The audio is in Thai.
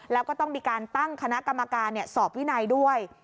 แล้วก็ต้องมีการตั้งคณะกรรมการสอบวินัยด้วย